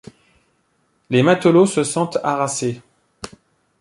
Les matelots se sentent harassés.